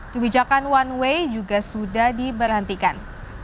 kebijakan one way juga sudah diberhentikan